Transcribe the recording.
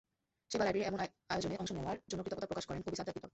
সেবা লাইব্রেরির এমন আয়োজনে অংশ নেওয়ার জন্য কৃতজ্ঞতা প্রকাশ করেন কবি সাজ্জাদ বিপ্লব।